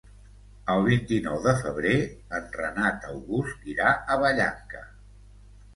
El vint-i-nou de febrer en Renat August irà a Vallanca.